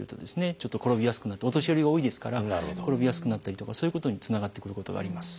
ちょっと転びやすくなってお年寄りが多いですから転びやすくなったりとかそういうことにつながってくることがあります。